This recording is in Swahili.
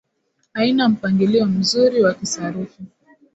haina mpangilio mzuri wa kisarufi